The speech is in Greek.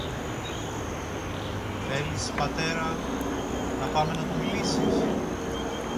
Θέλεις, Πατέρα, να πάμε να του μιλήσεις;